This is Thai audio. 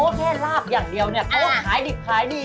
เพราะว่าแค่ลาบอย่างเดียวเนี่ยเค้าขายดิบขายดี